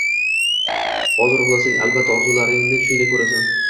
Hozir uxlasang, albatta, orzularingni tushingda ko`rasan